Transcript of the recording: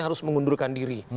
harus mengundurkan diri